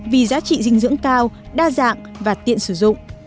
vì giá trị dinh dưỡng cao đa dạng và tiện sử dụng